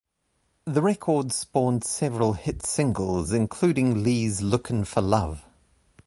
The record spawned several hit singles, including Lee's Lookin' for Love.